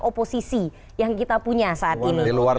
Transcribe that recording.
oposisi yang kita punya saat ini